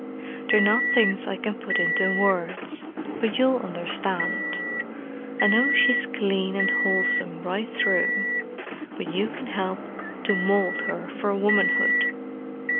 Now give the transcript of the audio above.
They're not things I can put into words—but you'll understand. I know she's clean and wholesome right through, but you can help to mould her for womanhood.